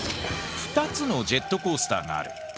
２つのジェットコースターがある。